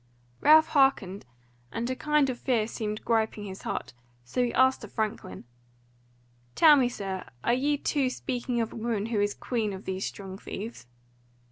Ralph hearkened, and a kind of fear seemed griping his heart, so he asked the franklin: "Tell me, sir, are ye two speaking of a woman who is Queen of these strong thieves?"